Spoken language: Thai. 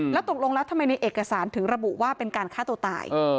แล้วตกลงแล้วทำไมในเอกสารถึงระบุว่าเป็นการฆ่าตัวตาย